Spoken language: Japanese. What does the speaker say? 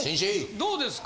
どうですか？